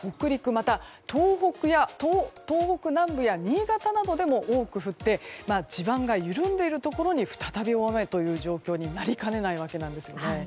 また、東北南部や新潟などでも多く降って地盤が緩んでいるところに再び大雨という状況になりかねないわけなんです。